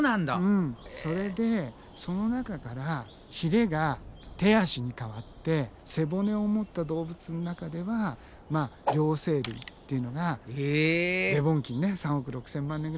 うんそれでその中からヒレが手足に変わって背骨を持った動物の中では両生類っていうのがデボン紀にね３億６，０００万年ぐらい前に。